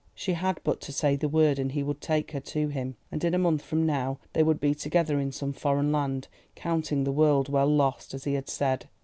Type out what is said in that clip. She had but to say the word, and he would take her to him, and in a month from now they would be together in some foreign land, counting the world well lost, as he had said.